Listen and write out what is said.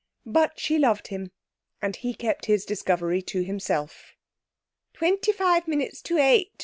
But she loved him, and he kept his discovery to himself. 'Twenty five minutes to eight!'